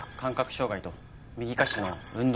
障害と右下肢の運動